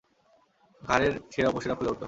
ঘাড়ের শিরা উপশিরা ফুলে উঠল।